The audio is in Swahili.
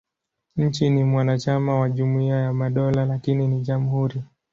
Nchi ni mwanachama wa Jumuiya ya Madola, lakini ni jamhuri.